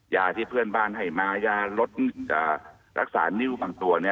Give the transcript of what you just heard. ยาที่เพื่อนบ้านให้มายาลดยารักษานิ้วบางตัว